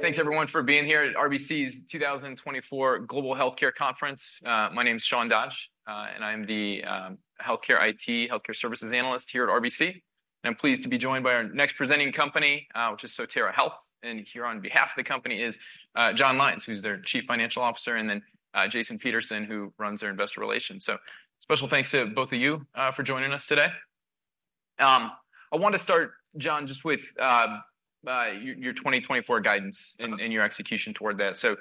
Thanks, everyone for being here at RBC's 2024 Global Healthcare Conference. My name is Sean Dodge, and I'm the Healthcare IT, Healthcare Services analyst here at RBC. I'm pleased to be joined by our next presenting company, which is Sotera Health, and here on behalf of the company is Jon Lyons, who's their Chief Financial Officer, and then Jason Peterson, who runs their investor relations. So special thanks to both of you for joining us today. I want to start, Jon, just with your 2024 guidance and your execution toward that. So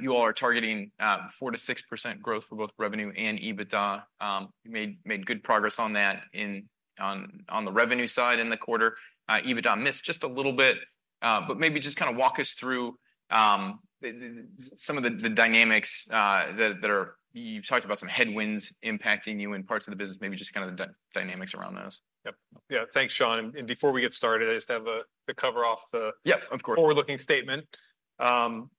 you all are targeting 4%-6% growth for both revenue and EBITDA. You made good progress on that on the revenue side in the quarter. EBITDA missed just a little bit, but maybe just kind of walk us through some of the dynamics that you've talked about, some headwinds impacting you in parts of the business, maybe just kind of the dynamics around those. Yep. Yeah. Thanks, Sean. And before we get started, I just have to cover off the forward-looking statement.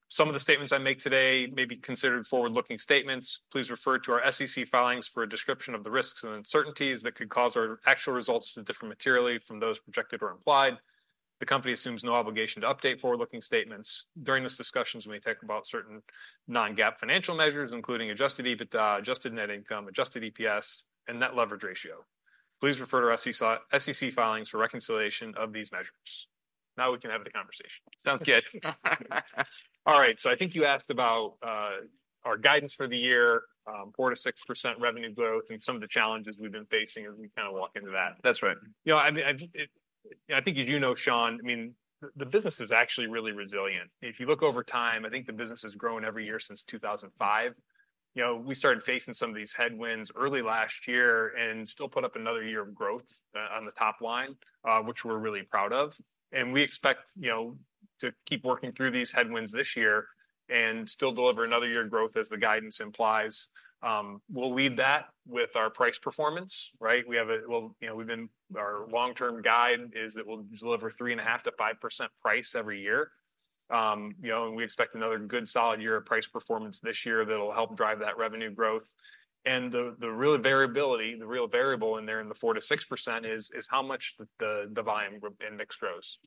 Some of the statements I make today may be considered forward-looking statements. Please refer to our SEC filings for a description of the risks and uncertainties that could cause our actual results to differ materially from those projected or implied. The company assumes no obligation to update forward-looking statements. During this discussion, we may talk about certain non-GAAP financial measures, including adjusted EBITDA, adjusted net income, adjusted EPS, and net leverage ratio. Please refer to our SEC filings for reconciliation of these measures. Now, we can have the conversation. Sounds good. All right, so I think you asked about our guidance for the year, 4%-6% revenue growth, and some of the challenges we've been facing as we kind of walk into that. That's right. You know, I mean, I think you do know, Sean, I mean, the, the business is actually really resilient. If you look over time, I think the business has grown every year since 2005. You know, we started facing some of these headwinds early last year and still put up another year of growth on the top line, which we're really proud of. And we expect, you know, to keep working through these headwinds this year and still deliver another year of growth, as the guidance implies. We'll lead that with our price performance, right? We have a... Well, you know, we've been. Our long-term guide is that we'll deliver 3.5%-5% price every year. You know, and we expect another good, solid year of price performance this year that'll help drive that revenue growth. And the real variability, the real variable in there, in the 4%-6% is how much the volume growth index grows.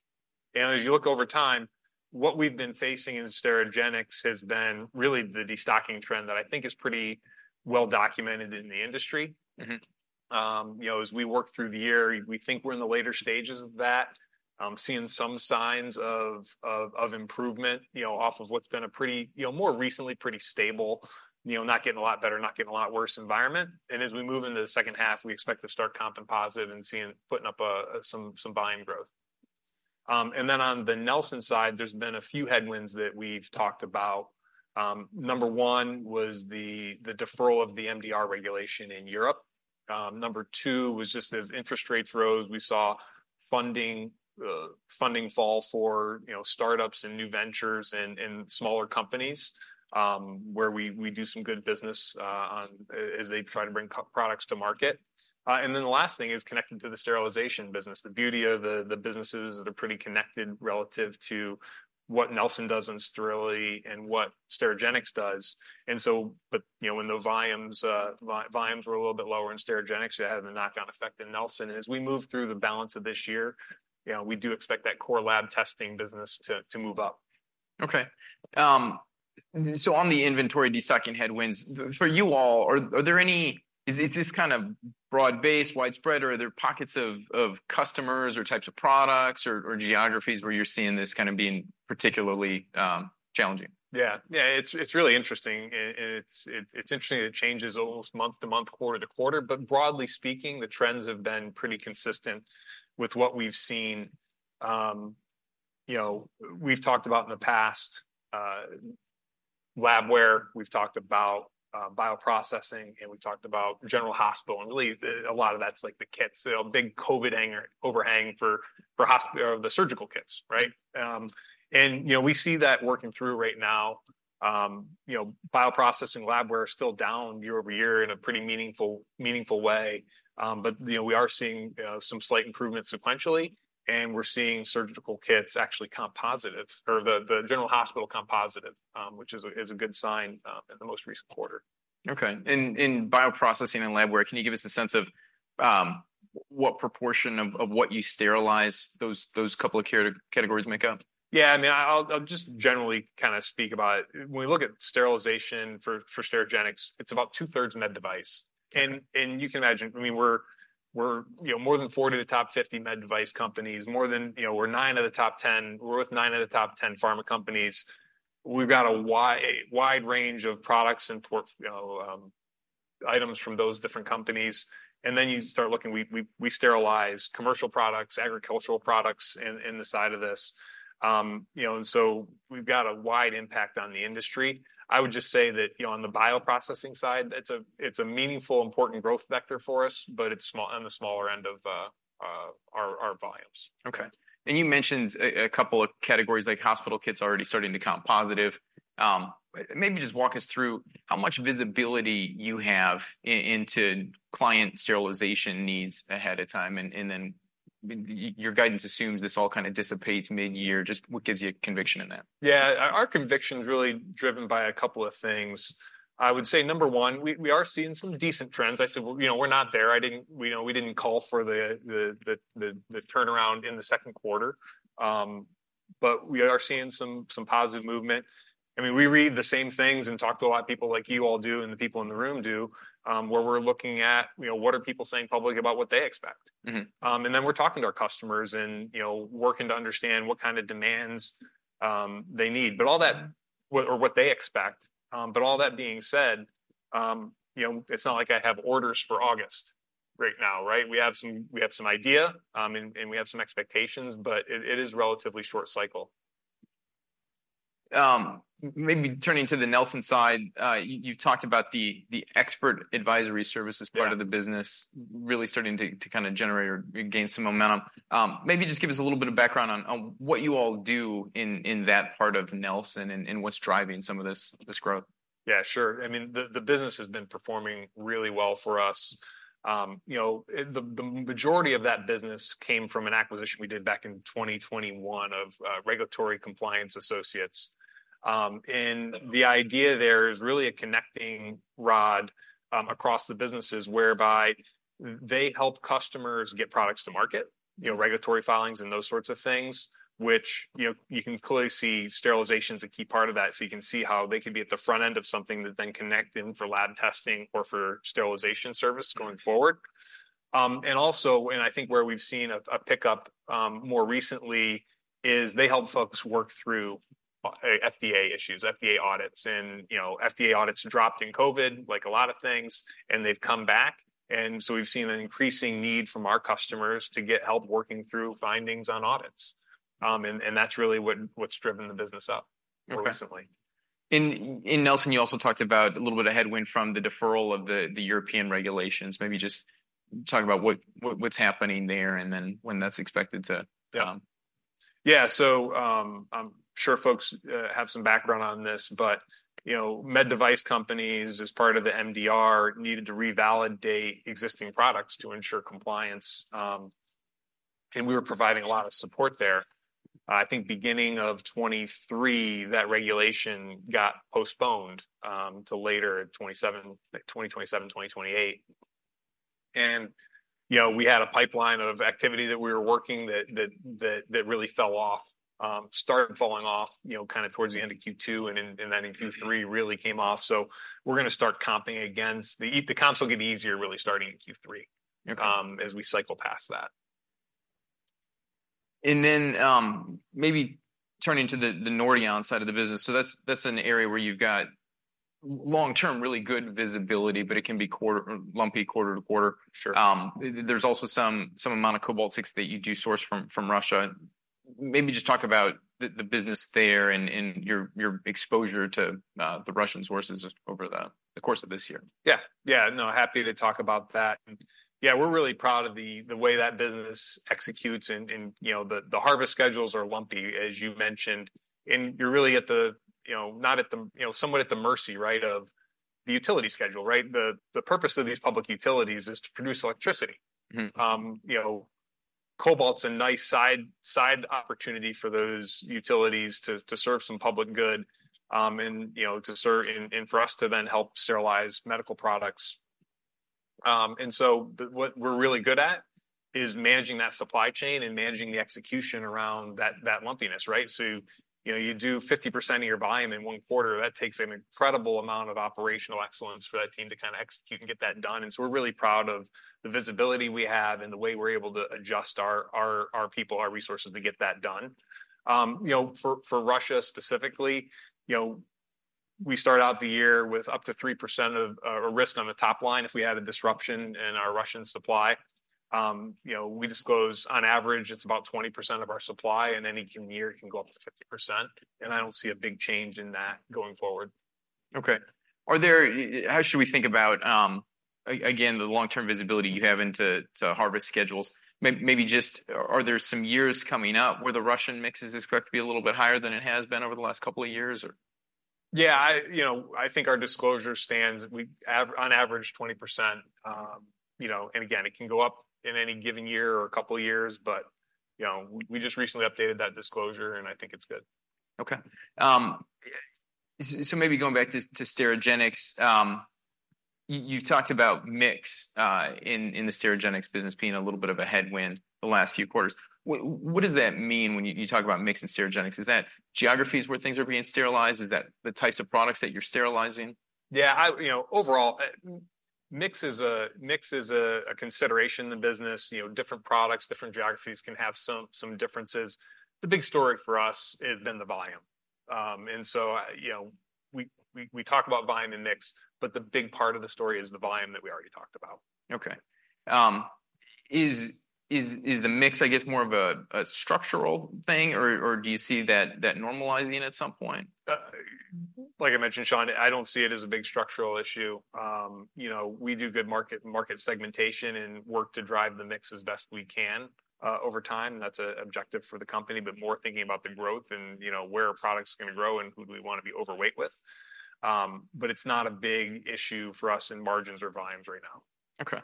And as you look over time, what we've been facing in Sterigenics has been really the destocking trend that I think is pretty well documented in the industry. You know, as we work through the year, we think we're in the later stages of that. Seeing some signs of improvement, you know, off of what's been a pretty, you know, more recently pretty stable, you know, not getting a lot better, not getting a lot worse environment. And as we move into the second half, we expect to start comping positive and putting up some volume growth. And then on the Nelson side, there's been a few headwinds that we've talked about. Number one was the deferral of the MDR regulation in Europe. Number two was just as interest rates rose, we saw funding fall for, you know, startups and new ventures and smaller companies, where we do some good business, on, as they try to bring products to market. And then the last thing is connected to the sterilization business. The beauty of the business is they're pretty connected relative to what Nelson does in sterility and what Sterigenics does. But, you know, when those volumes were a little bit lower in Sterigenics, it had a knock-on effect in Nelson. As we move through the balance of this year, you know, we do expect that core lab testing business to move up. Okay. So on the inventory destocking headwinds, for you all, is this kind of broad-based, widespread, or are there pockets of customers or types of products or geographies where you're seeing this kind of being particularly challenging? Yeah. Yeah, it's really interesting, and it's interesting that it changes almost month-to-month, quarter-to-quarter. But broadly speaking, the trends have been pretty consistent with what we've seen. You know, we've talked about in the past, labware, we've talked about, bioprocessing, and we've talked about general hospital, and really, a lot of that's like the kits, you know, big COVID hangover for hospital or the surgical kits, right? And, you know, we see that working through right now. You know, bioprocessing labware are still down year-over-year in a pretty meaningful way. But, you know, we are seeing some slight improvements sequentially, and we're seeing surgical kits actually comp positive, or the general hospital comp positive, which is a good sign in the most recent quarter. Okay. In bioprocessing and labware, can you give us a sense of what proportion of what you sterilize those couple of categories make up? Yeah, I mean, I'll just generally kind of speak about it. When we look at sterilization for Sterigenics, it's about two-thirds med device. Okay. You can imagine, I mean, we're, you know, more than 40 of the top 50 med device companies, more than, you know, we're nine of the top 10. We're with nine of the top 10 pharma companies. We've got a wide range of products and, you know, items from those different companies. And then, you start looking, we sterilize commercial products, agricultural products in the side of this. You know, and so we've got a wide impact on the industry. I would just say that, you know, on the bioprocessing side, it's a meaningful, important growth vector for us, but it's small on the smaller end of our volumes. Okay. And you mentioned a couple of categories, like hospital kits already starting to comp positive. Maybe just walk us through how much visibility you have into client sterilization needs ahead of time, and then your guidance assumes this all kind of dissipates mid-year. Just what gives you conviction in that? Our conviction's really driven by a couple of things. I would say, number one, we are seeing some decent trends. I said, well, you know, we're not there. I didn't—we know, we didn't call for the turnaround in the second quarter. But we are seeing some positive movement. I mean, we read the same things and talk to a lot of people like you all do, and the people in the room do, where we're looking at, you know, what are people saying publicly about what they expect? and then we're talking to our customers and, you know, working to understand what kind of demands they need. But all that or what they expect. But all that being said, you know, it's not like I have orders for August right now, right? We have some, we have some idea, and we have some expectations, but it is relatively short cycle. Maybe turning to the Nelson side, you talked about the Expert Advisory Services part of the business really starting to kind of generate or gain some momentum. Maybe just give us a little bit of background on what you all do in that part of Nelson and what's driving some of this growth. Yeah, sure. I mean, the business has been performing really well for us. You know, the majority of that business came from an acquisition we did back in 2021 of Regulatory Compliance Associates. And the idea there is really a connecting rod across the businesses, whereby they help customers get products to market, you know, regulatory filings and those sorts of things, which, you know, you can clearly see sterilization's a key part of that. So you can see how they can be at the front end of something that then connect in for lab testing or for sterilization service going forward. And also, I think where we've seen a pickup more recently is they help folks work through FDA issues, FDA audits. And, you know, FDA audits dropped in COVID, like a lot of things, and they've come back, and so we've seen an increasing need from our customers to get help working through findings on audits. And that's really what's driven the business up recently. In Nelson, you also talked about a little bit of headwind from the deferral of the European regulations. Maybe just talk about what's happening there, and then when that's expected to. Yeah, so, I'm sure folks have some background on this, but, you know, med device companies, as part of the MDR, needed to revalidate existing products to ensure compliance. And we were providing a lot of support there. I think beginning of 2023, that regulation got postponed to later, 2027, like 2027, 2028. And, you know, we had a pipeline of activity that we were working that really fell off, started falling off, you know, kind of towards the end of Q2, and then in Q3 really came off. So we're gonna start comping against the easier comps, really, starting in Q3 as we cycle past that. And then, maybe turning to the Nordion side of the business, so that's an area where you've got long-term, really good visibility, but it can be lumpy quarter to quarter. Sure. There's also some amount of Cobalt-60 that you do source from Russia. Maybe just talk about the business there and your exposure to the Russian sources over the course of this year. Yeah. No, happy to talk about that. Yeah, we're really proud of the way that business executes and the harvest schedules are lumpy, as you mentioned, and you're really somewhat at the mercy of the utility schedule, right? The purpose of these public utilities is to produce electricity. You know, cobalt's a nice side, side opportunity for those utilities to, to serve some public good, and to serve and for us to then help sterilize medical products. And so what we're really good at is managing that supply chain and managing the execution around that, that lumpiness, right? So you do 50% of your volume in one quarter, that takes an incredible amount of operational excellence for that team to kind of execute and get that done, and so we're really proud of the visibility we have and the way we're able to adjust our people, our resources to get that done. You know, for Russia specifically, you know, we start out the year with up to 3% of a risk on the top line if we had a disruption in our Russian supply. You know, we disclose, on average, it's about 20% of our supply, and any given year, it can go up to 50%, and I don't see a big change in that going forward. Okay. How should we think about, again, the long-term visibility you have into the harvest schedules? Maybe just, are there some years coming up where the Russian mix is going to be a little bit higher than it has been over the last couple of years, or? Yeah, I, you know, I think our disclosure stands. We average on average, 20%. You know, and again, it can go up in any given year or a couple of years, but, you know, we just recently updated that disclosure, and I think it's good. Okay. So maybe going back to Sterigenics, you talked about mix in the Sterigenics business being a little bit of a headwind the last few quarters. What does that mean when you talk about mix in Sterigenics? Is that geographies where things are being sterilized, is that the types of products that you're sterilizing? Yeah, you know, overall, mix is a consideration in the business. You know, different products, different geographies can have some differences. The big story for us has been the volume. And so, you know, we talk about volume and mix, but the big part of the story is the volume that we already talked about. Okay. Is the mix, I guess, more of a structural thing, or do you see that normalizing at some point? Like I mentioned, Sean, I don't see it as a big structural issue. You know, we do good market, market segmentation and work to drive the mix as best we can, over time. That's a objective for the company, but more thinking about the growth and, you know, where are products gonna grow and who do we want to be overweight with. But it's not a big issue for us in margins or volumes right now. Okay,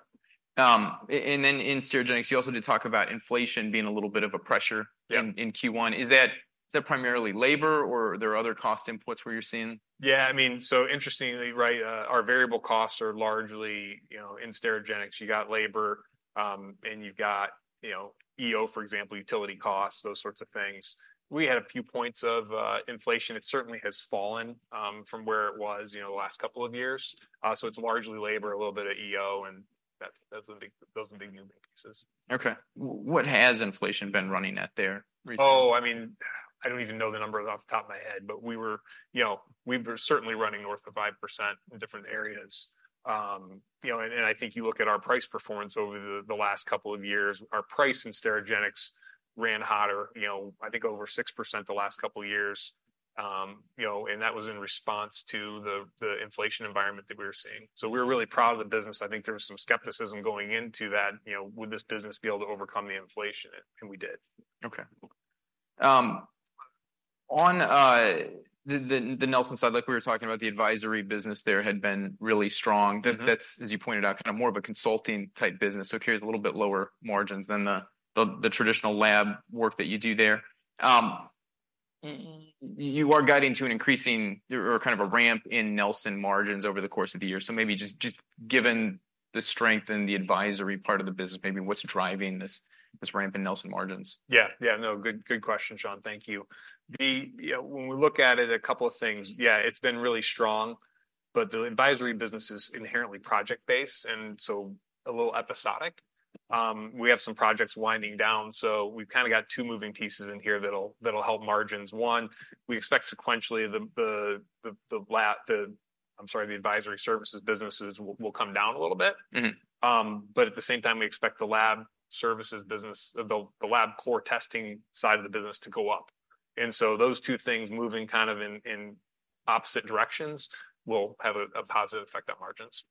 and then in Sterigenics, you also did talk about inflation being a little bit of a pressure in Q1. Is that, is that primarily labor, or there are other cost inputs where you're seeing? Yeah, I mean, so interestingly, right, our variable costs are largely, you know, in Sterigenics, you got labor, and you've got, you know, EO, for example, utility costs, those sorts of things. We had a few points of inflation. It certainly has fallen from where it was, you know, the last couple of years. So it's largely labor, a little bit of EO, and that, that's the big, those are the big moving pieces. Okay. What has inflation been running at there recently? Oh, I mean, I don't even know the number off the top of my head, but we were, you know, we were certainly running north of 5% in different areas. You know, and I think you look at our price performance over the last couple of years, our price in Sterigenics ran hotter, you know, I think over 6% the last couple of years. You know, and that was in response to the inflation environment that we were seeing. So we're really proud of the business. I think there was some skepticism going into that, you know, would this business be able to overcome the inflation? And we did. Okay. On the Nelson side, like we were talking about, the advisory business there had been really strong. That's, as you pointed out, kind of more of a consulting type business, so it carries a little bit lower margins than the traditional lab work that you do there. You are guiding to an increasing or kind of a ramp in Nelson margins over the course of the year. So maybe just given the strength in the advisory part of the business, maybe what's driving this ramp in Nelson margins? Yeah, yeah. No, good, good question, Sean. Thank you. You know, when we look at it, a couple of things. Yeah, it's been really strong, but the advisory business is inherently project-based, and so a little episodic. We have some projects winding down, so we've kind of got two moving pieces in here that'll help margins. One, we expect sequentially, the advisory services businesses will come down a little bit. But at the same time, we expect the lab services business, the lab core testing side of the business to go up. And so those two things moving kind of in opposite directions will have a positive effect on margins.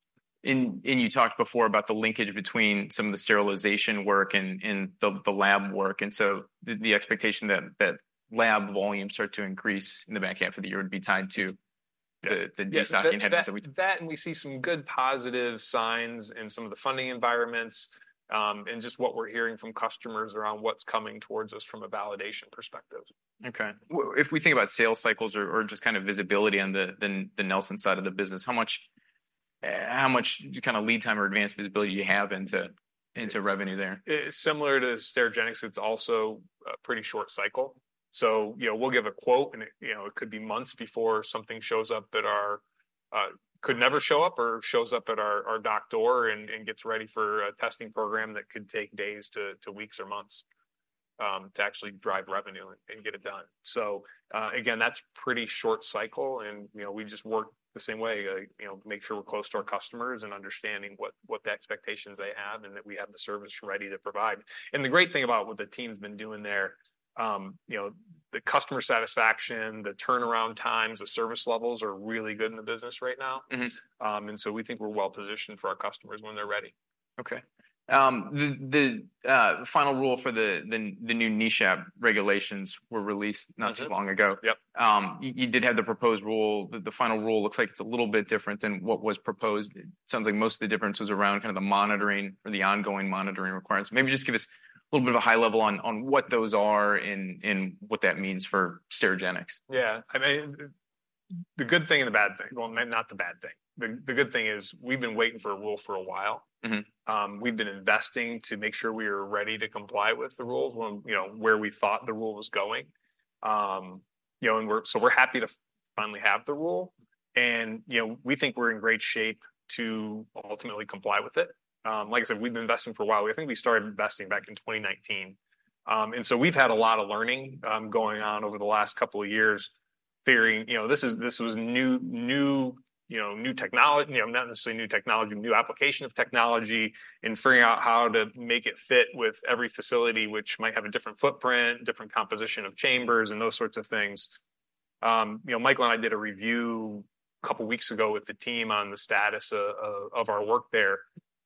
And you talked before about the linkage between some of the sterilization work and the lab work, and so the expectation that lab volumes start to increase in the back half of the year would be tied to the destocking headwinds that we- That, and we see some good positive signs in some of the funding environments, and just what we're hearing from customers around what's coming towards us from a validation perspective. Okay. Well, if we think about sales cycles or just kind of visibility on the Nelson side of the business, how much kind of lead time or advanced visibility do you have into revenue there? Similar to Sterigenics, it's also a pretty short cycle. So, you know, we'll give a quote, and it, you know, it could be months before something shows up at our dock door and gets ready for a testing program that could take days to weeks or months to actually drive revenue and get it done. So, again, that's pretty short cycle and, you know, we just work the same way, make sure we're close to our customers and understanding what the expectations they have, and that we have the service ready to provide. And the great thing about what the team's been doing there, you know, the customer satisfaction, the turnaround times, the service levels are really good in the business right now. And so we think we're well positioned for our customers when they're ready. Okay. The final rule for the new NESHAP regulations were released not too long ago. You did have the proposed rule. The final rule looks like it's a little bit different than what was proposed. It sounds like most of the difference was around kind of the monitoring or the ongoing monitoring requirements. Maybe just give us a little bit of a high level on what those are and what that means for Sterigenics. Yeah. I mean, the good thing and the bad thing. Well, maybe not the bad thing. The good thing is, we've been waiting for a rule for a while. We've been investing to make sure we are ready to comply with the rules when, you know, where we thought the rule was going. You know, and we're, so we're happy to finally have the rule, and, you know, we think we're in great shape to ultimately comply with it. Like I said, we've been investing for a while. I think we started investing back in 2019. And so we've had a lot of learning going on over the last couple of years, figuring, you know, this was new, new, you know, new technology, you know, not necessarily new technology, new application of technology, and figuring out how to make it fit with every facility, which might have a different footprint, different composition of chambers, and those sorts of things. You know, Michael and I did a review a couple of weeks ago with the team on the status of our work there,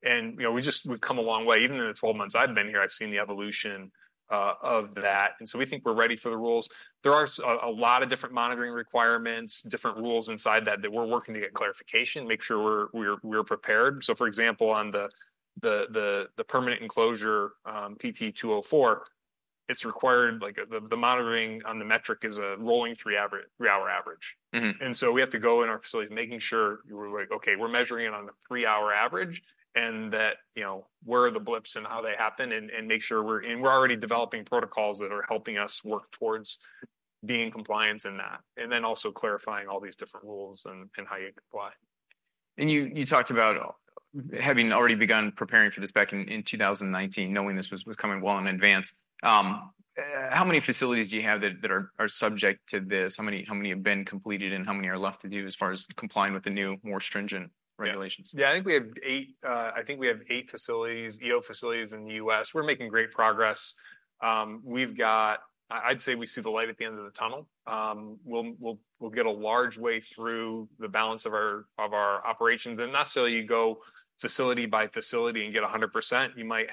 and, you know, we've come a long way. Even in the twelve months I've been here, I've seen the evolution of that, and so we think we're ready for the rules. There are a lot of different monitoring requirements, different rules inside that we're working to get clarification, make sure we're prepared. So, for example, on the permanent enclosure, PTE 204, it's required, like, the monitoring on the metric is a rolling three-hour average. And so we have to go in our facilities, making sure we're like, okay, we're measuring it on a three-hour average, and that, you know, where are the blips and how they happen, and make sure we're already developing protocols that are helping us work towards being compliant in that, and then also clarifying all these different rules and how you comply. And you talked about having already begun preparing for this back in 2019, knowing this was coming well in advance. How many facilities do you have that are subject to this? How many have been completed, and how many are left to do, as far as complying with the new, more stringent regulations? Yeah, I think we have eight facilities, EO facilities in the U.S. We're making great progress. I'd say we see the light at the end of the tunnel. We'll get a large way through the balance of our operations. Not necessarily you go facility by facility and get 100%. You might,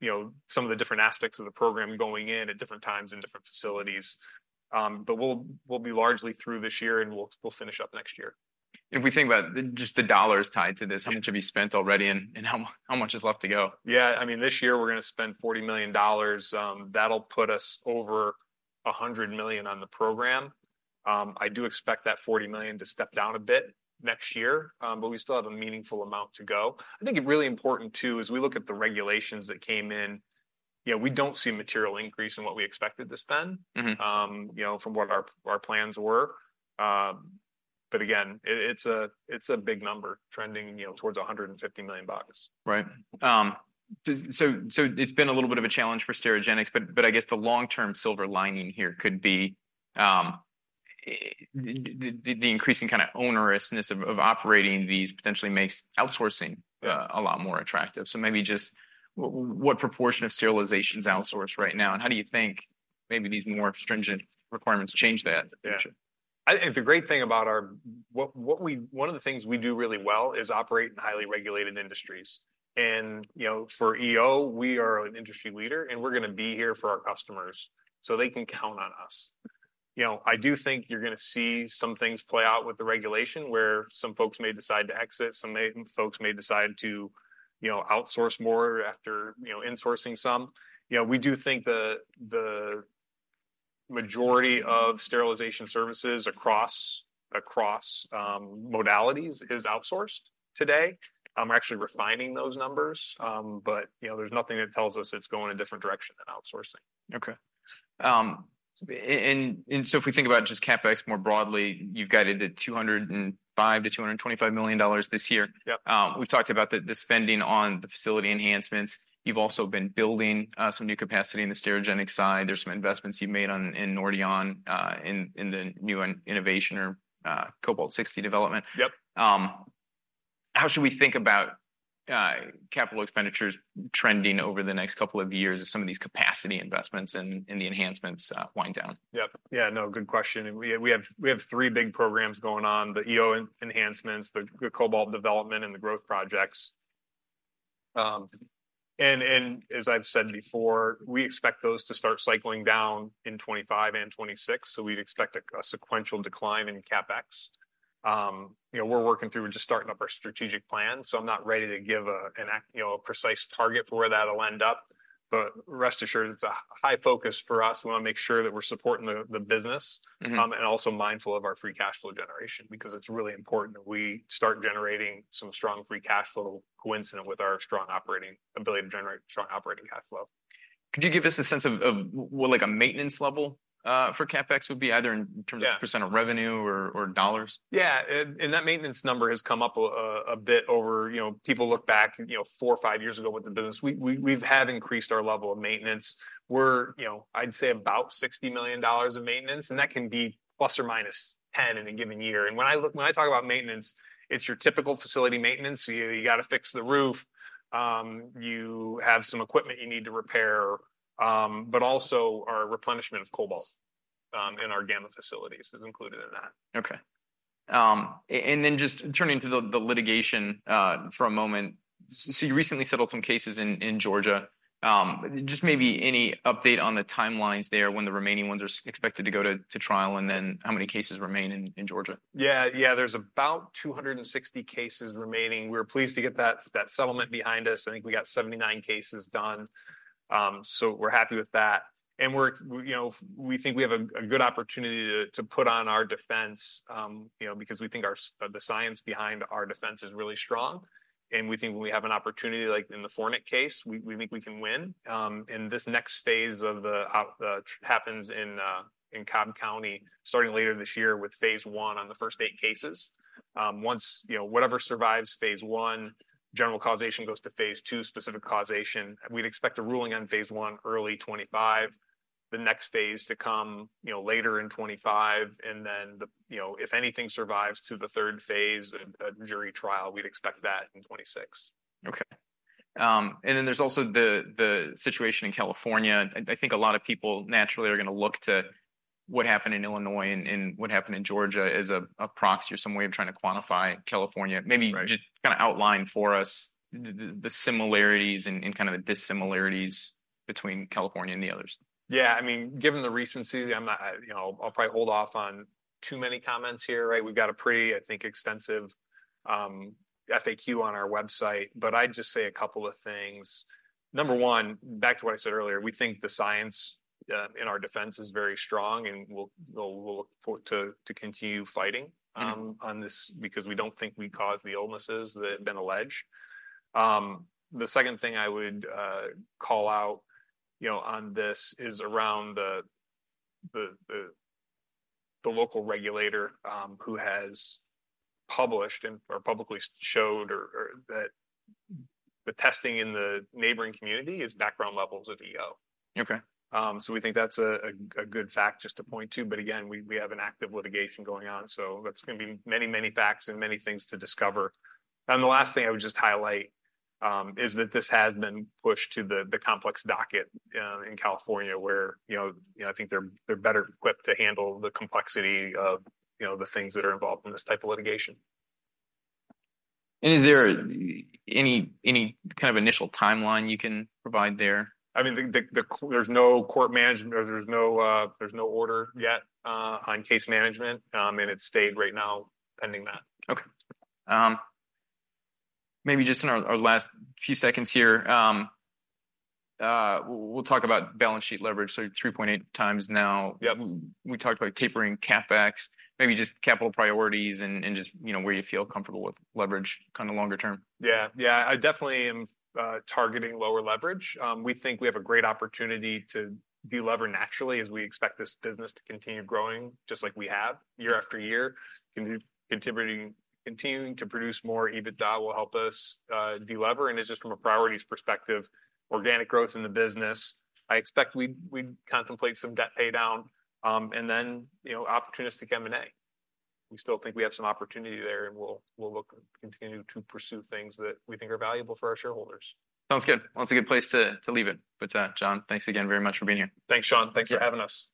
you know, some of the different aspects of the program going in at different times in different facilities. But we'll be largely through this year, and we'll finish up next year. If we think about the, just the dollars tied to this, how much have you spent already, and how much is left to go? Yeah, I mean, this year we're going to spend $40 million. That'll put us over $100 million on the program. I do expect that $40 million to step down a bit next year, but we still have a meaningful amount to go. I think it's really important too, as we look at the regulations that came in, you know, we don't see a material increase in what we expected to spend you know, from what our plans were. But again, it's a big number trending, you know, towards $150 million. Right. So it's been a little bit of a challenge for Sterigenics, but I guess the long-term silver lining here could be the increasing kind of onerousness of operating these potentially makes outsourcing a lot more attractive. So maybe just what proportion of sterilization is outsourced right now, and how do you think maybe these more stringent requirements change that in the future? One of the things we do really well is operate in highly regulated industries. You know, for EO, we are an industry leader, and we're going to be here for our customers, so they can count on us. You know, I do think you're going to see some things play out with the regulation, where some folks may decide to exit, some may, folks may decide to, you know, outsource more after, you know, insourcing some. You know, we do think the majority of sterilization services across modalities is outsourced today. I'm actually refining those numbers, but, you know, there's nothing that tells us it's going a different direction than outsourcing. Okay. And so if we think about just CapEx more broadly, you've guided to $205 million-$225 million this year. We've talked about the spending on the facility enhancements. You've also been building some new capacity in the Sterigenics side. There's some investments you've made in Nordion in the new innovation or Cobalt-60 development. Yep. How should we think about capital expenditures trending over the next couple of years as some of these capacity investments and the enhancements wind down? Yep. Yeah, no, good question. We have three big programs going on: the EO enhancements, the Cobalt development, and the growth projects. As I've said before, we expect those to start cycling down in 2025 and 2026, so we'd expect a sequential decline in CapEx. You know, we're working through and just starting up our strategic plan, so I'm not ready to give a precise target for where that'll end up. But rest assured, it's a high focus for us. We want to make sure that we're supporting the business and also mindful of our free cash flow generation because it's really important that we start generating some strong free cash flow coincident with our strong operating ability to generate strong operating cash flow. Could you give us a sense of well, like a maintenance level for CapEx would be, either in terms of % of revenue or dollars? Yeah. And that maintenance number has come up a bit over, people look back four or five years ago with the business. We have increased our level of maintenance. We're, I'd say, about $60 million of maintenance, and that can be ±$10 million in a given year. And when I talk about maintenance, it's your typical facility maintenance. You got to fix the roof, you have some equipment you need to repair, but also our replenishment of Cobalt in our gamma facilities is included in that. Okay. And then just turning to the litigation for a moment, so you recently settled some cases in Georgia. Just maybe any update on the timelines there, when the remaining ones are expected to go to trial, and then how many cases remain in Georgia? Yeah, yeah, there's about 260 cases remaining. We're pleased to get that settlement behind us. I think we got 79 cases done. So we're happy with that, and we think we have a good opportunity to put on our defense, you know, because we think the science behind our defense is really strong, and we think we have an opportunity, like in the Fornek case, we think we can win. And this next phase happens in Cobb County, starting later this year with Phase I on the first 8 cases. Once whatever survives Phase I, general causation goes to Phase II, specific causation. We'd expect a ruling on Phase I early 2025, the next phase to come, you know, later in 2025. And then, you know, if anything survives to the third phase, a jury trial, we'd expect that in 2026. Okay. And then there's also the situation in California. I think a lot of people naturally are going to look to what happened in Illinois and what happened in Georgia as a proxy or some way of trying to quantify California. Right. Maybe just kind of outline for us the similarities and kind of the dissimilarities between California and the others. Yeah, I mean, given the recencies, I'm not, you know, I'll probably hold off on too many comments here, right? We've got a pretty, I think, extensive FAQ on our website, but I'd just say a couple of things. Number one, back to what I said earlier, we think the science in our defense is very strong, and we'll look forward to continue fighting on this because we don't think we caused the illnesses that have been alleged. The second thing I would call out, you know, on this is around the local regulator who has published and/or publicly showed or that the testing in the neighboring community is background levels of EO. Okay. So we think that's a good fact just to point to. But again, we have an active litigation going on, so that's going to be many, many facts and many things to discover. And the last thing I would just highlight is that this has been pushed to the complex docket in California, where you know, I think they're better equipped to handle the complexity of you know, the things that are involved in this type of litigation. Is there any kind of initial timeline you can provide there? I mean, there's no court management, or there's no order yet on case management, and it's stayed right now, pending that. Okay. Maybe just in our last few seconds here, we'll talk about balance sheet leverage, so 3.8x now. Yep. We talked about tapering CapEx, maybe just capital priorities and just, you know, where you feel comfortable with leverage kind of longer term. Yeah, yeah. I definitely am targeting lower leverage. We think we have a great opportunity to de-lever naturally, as we expect this business to continue growing, just like we have year after year. Continuing to produce more EBITDA will help us de-lever, and it's just from a priorities perspective, organic growth in the business. I expect we'd contemplate some debt paydown, and then, you know, opportunistic M&A. We still think we have some opportunity there, and we'll continue to pursue things that we think are valuable for our shareholders. Sounds good. Well, that's a good place to leave it. But, Jon, thanks again very much for being here. Thanks, Sean. Thanks for having us.